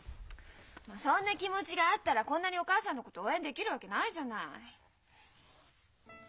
そんな気持ちがあったらこんなにお母さんのことを応援できるわけないじゃない。